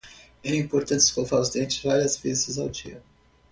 É importante escovar os dentes várias vezes ao dia.